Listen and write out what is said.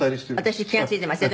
「私気が付いてますよ。